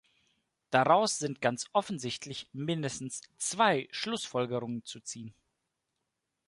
Daraus sind ganz offensichtlich mindestens zwei Schlussfolgerungen zu ziehen.